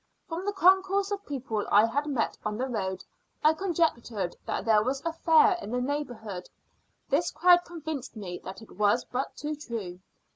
From the concourse of people I had met on the road I conjectured that there was a fair in the neighbourhood; this crowd convinced me that it was but too true.